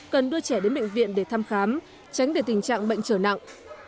cần đưa trẻ đến bệnh viện để thăm khám tránh để tình trạng bệnh trở nặng